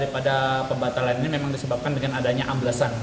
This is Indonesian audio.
pada pembatalan ini memang disebabkan dengan adanya amblesan